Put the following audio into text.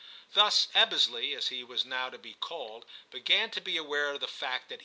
Thus Ebbesley, as he was now to be called, began to be aware of the fact that 96 TIM CHAP.